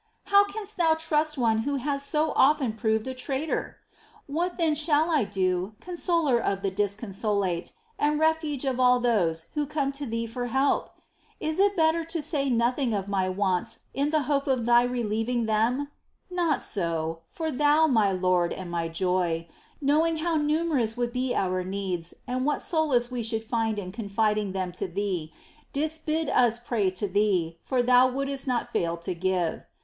How canst Thou trust one who has so often proved a traitor ? What then shall I do, Con soler of the disconsolate and Refuge of all those who come to Thee for help ? Is it better to say nothing of my wants in the hope of Thy relieving them ? Not so,, for Thou, my Lord and my joy, knowing how numerous would be our needs and what solace we should find in confiding them to Thee, didst bid us pray to Thee, for Thou wouldst not fail to give.